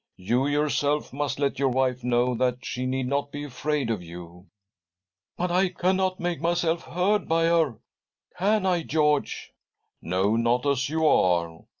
You yourself must let your wife know that she need not be afraid of you." " But I cannot make myself heard by. her, can I, George ?"" No, not as you are.